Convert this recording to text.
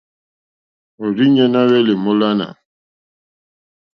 Òrzìɲɛ́ ná hwɛ́lɛ̀ èmólánà.